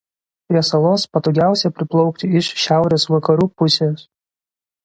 Prie salos patogiausia priplaukti iš šiaurės vakarų pusės.